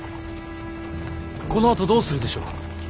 このあとどうするでしょう？